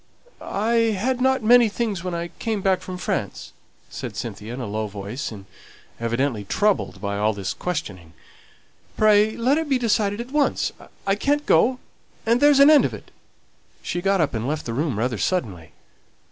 "I hadn't many things when I came back from France," said Cynthia, in a low voice, and evidently troubled by all this questioning. "Pray let it be decided at once; I can't go, and there's an end of it." She got up, and left the room rather suddenly.